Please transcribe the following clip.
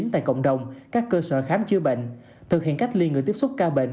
tại cộng đồng các cơ sở khám chữa bệnh thực hiện cách ly người tiếp xúc ca bệnh